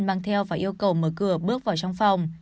mang theo và yêu cầu mở cửa bước vào trong phòng